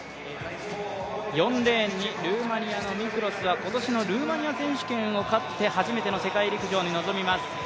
４レーンにルーマニアのミクロスは今年のルーマニア選手権を勝って初めての世界陸上に臨みます。